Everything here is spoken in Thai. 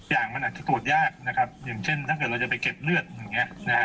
อย่างมันอาจจะตรวจยากนะครับอย่างเช่นถ้าเกิดเราจะไปเก็บเลือดอย่างเงี้ยนะฮะ